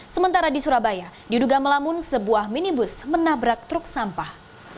sementara di surabaya diduga melamun sebuah minibus menabrak truk sampah